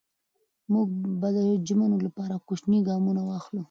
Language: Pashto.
موږ به د ژمنو لپاره کوچني ګامونه واخلو.